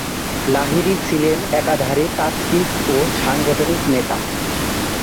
লাহিড়ী ছিলেন একাধারে তাত্ত্বিক ও সাংগঠনিক নেতা।